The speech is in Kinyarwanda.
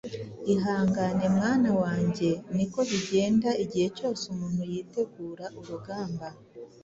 Ihangane mwana wange ni ko bigenda igihe cyose umuntu yitegura urugamba